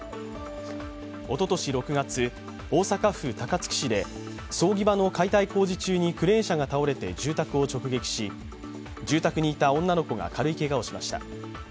おととし６月、大阪府高槻市で葬儀場の解体工事中にクレーン車が倒れて住宅を直撃し、住宅にいた女の子が軽いけがをしました。